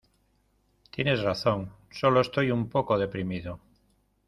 Tienes razón, sólo estoy un poco deprimido.